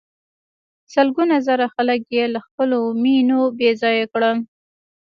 سلګونه زره خلک یې له خپلو مېنو بې ځایه کړل.